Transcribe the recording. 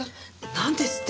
なんですって？